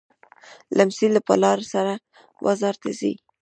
لمسی له پلار سره بازار ته ځي.